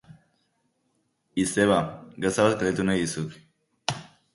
Izeba, gauza bat galdetu nahi dizut.